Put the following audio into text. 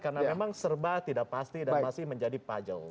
karena memang serba tidak pasti dan masih menjadi pajau